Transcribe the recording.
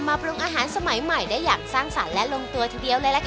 ปรุงอาหารสมัยใหม่ได้อย่างสร้างสรรค์และลงตัวทีเดียวเลยล่ะค่ะ